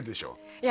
いや